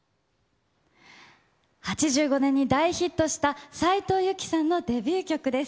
８５年に大ヒットした斉藤由貴さんのデビュー曲です。